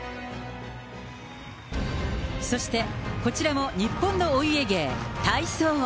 そしてこちらも日本のお家芸、体操。